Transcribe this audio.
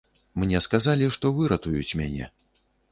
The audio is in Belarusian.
Мне сказалі, што выратуюць мяне.